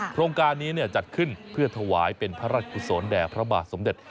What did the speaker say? โครงการนี้จัดขึ้นเพื่อถวายเป็นพระราชกุศลแด่พระบาทสมเด็จ